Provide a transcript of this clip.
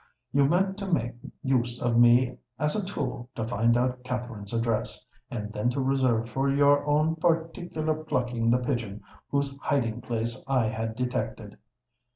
You meant to make use of me as a tool to find out Katherine's address, and then to reserve for your own particular plucking the pigeon whose hiding place I had detected.